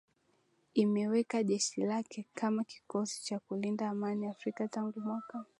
imeweka jeshi lake kama kikosi cha kulinda amani Afrika Tangu mwaka